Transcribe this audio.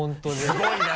すごいな！